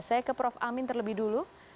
saya ke prof amin terlebih dulu